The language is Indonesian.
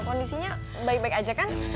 kondisinya baik baik aja kan